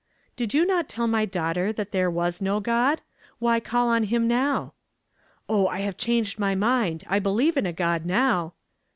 'Did you not tell my daughter there was no God? Why call on him now?' 'Oh, I have changed my mind; I believe in a God now.'